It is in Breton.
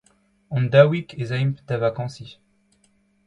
Hon-daouik ez aimp da vakañsiñ.